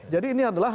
jadi ini adalah